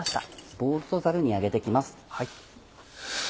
ボウルとザルに上げて行きます。